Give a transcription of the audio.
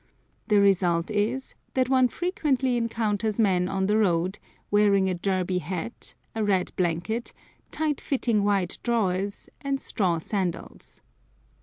The result is that one frequently encounters men on the road wearing a Derby hat, a red blanket, tight fitting white drawers, and straw sandals.